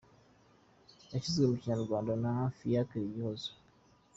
Yashyizwe mu Kinyarwanda na Fiacre Igihozo.